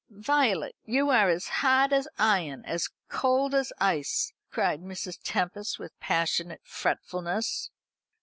"Violet, you are as hard as iron, as cold as ice!" cried Mrs. Tempest, with passionate fretfulness.